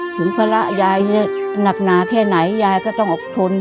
ภาระยายจะหนักหนาแค่ไหนยายก็ต้องอดทน